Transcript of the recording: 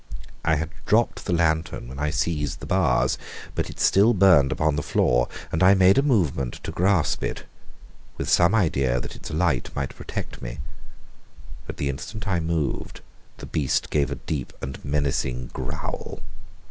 I had dropped the lantern when I seized the bars, but it still burned upon the floor, and I made a movement to grasp it, with some idea that its light might protect me. But the instant I moved, the beast gave a deep and menacing growl.